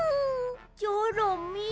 チョロミー。